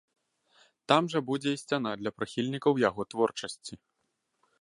Там жа будзе і сцяна для прыхільнікаў яго творчасці.